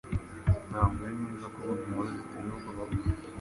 Ntabwo uri mwiza kuvuga inkuru ziteye ubwoba.